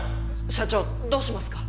社長どうしますか？